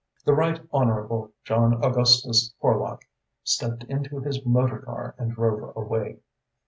The Right Honourable John Augustus Horlock stepped into his motor car and drove away.